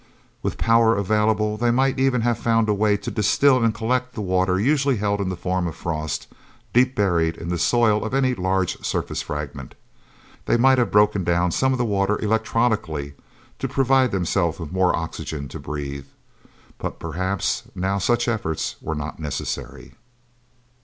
With power available, they might even have found a way to distill and collect the water, usually held in the form of frost, deep buried in the soil of any large surface fragment. They might have broken down some of the water electrolytically, to provide themselves with more oxygen to breathe. But perhaps now such efforts were not necessary.